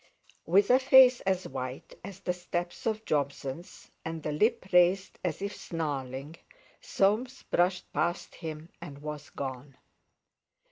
With a face as white as the steps of Jobson's, and a lip raised as if snarling, Soames brushed past him and was gone....